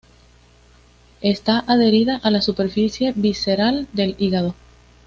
Está adherida a la superficie visceral del hígado.